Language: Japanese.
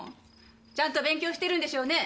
ちゃんと勉強してるんでしょうね？